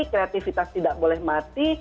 kreativitas tidak boleh mati